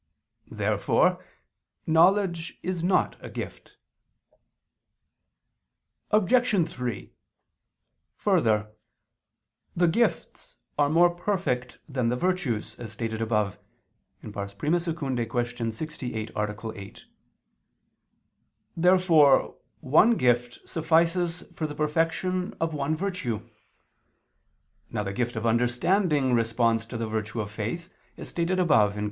Therefore knowledge is not a gift. Obj. 3: Further, the gifts are more perfect than the virtues, as stated above (I II, Q. 68, A. 8). Therefore one gift suffices for the perfection of one virtue. Now the gift of understanding responds to the virtue of faith, as stated above (Q.